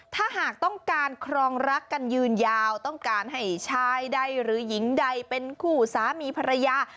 ถ้าหากต้องการครองรักกันยืนยาวต้องการให้ชายใดหรือหญิงใดเป็นคู่สามีภรรยา